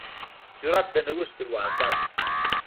جرأت د نوښت دروازه ده.